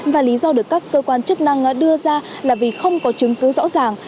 và lý do được các cơ quan chức năng đưa ra là vì không có chứng cứ rõ ràng